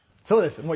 そうです。